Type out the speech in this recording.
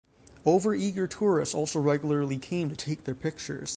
Overeager tourists also regularly came to take their pictures.